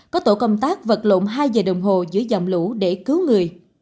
có tổ công tác vật lộn hai giờ đồng hồ dưới dòng lũ để cứu người